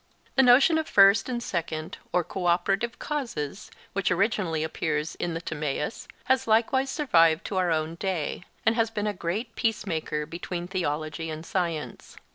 The notion of first and second or co operative causes, which originally appears in the Timaeus, has likewise survived to our own day, and has been a great peace maker between theology and science.